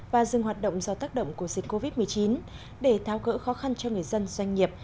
và dừng hoạt động do tác động của dịch covid một mươi chín để tháo gỡ khó khăn cho người dân doanh nghiệp